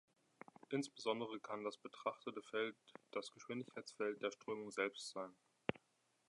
Insbesondere kann das betrachtete Feld das Geschwindigkeitsfeld der Strömung selbst sein.